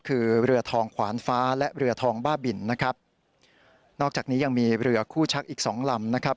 คือเรือทองขวานฟ้าและเรือทองบ้าบินนะครับนอกจากนี้ยังมีเรือคู่ชักอีกสองลำนะครับ